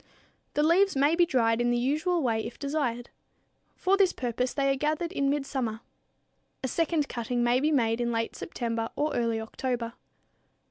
The leaves may be dried in the usual way if desired. For this purpose they are gathered in midsummer. A second cutting may be made in late September or early October.